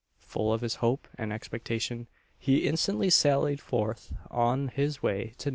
Full of this hope and expectation, he instantly sallied forth on his way to No.